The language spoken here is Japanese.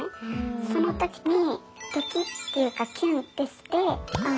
その時にドキッていうかキュンッてしてああ